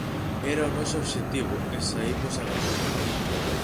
Era o noso obxectivo e saímos a gañar.